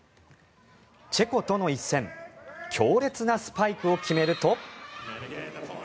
チェコとの一戦強烈なスパイクを決めると。